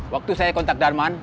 waktu saya kontak darman